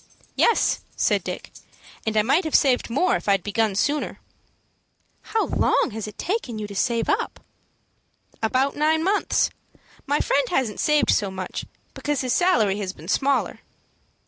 "Yes," said Dick, "and I might have saved more if I'd begun sooner." "How long has it taken you to save it up?" "About nine months. My friend hasn't saved so much, because his salary has been smaller."